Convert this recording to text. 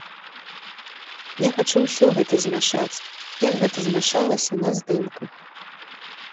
Я хачу ўсё гэта змяшаць, як гэта змяшалася на здымках.